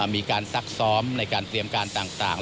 ซักซ้อมในการเตรียมการต่าง